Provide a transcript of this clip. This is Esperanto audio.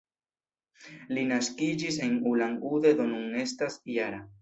Li naskiĝis en Ulan-Ude, do nun estas -jara.